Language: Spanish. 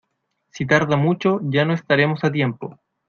Si tarda mucho ya no estaremos a tiempo.